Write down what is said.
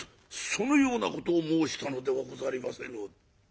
そのようなことを申したのではござりませぬ。